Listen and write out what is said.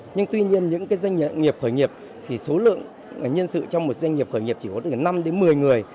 nhưng tuy nhiên những doanh nghiệp khởi nghiệp thì số lượng nhân sự trong một doanh nghiệp khởi nghiệp chỉ có từ năm đến một mươi người